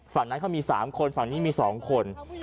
ฝั่งนั้นเขามี๓คนฝั่งนี้มี๒คน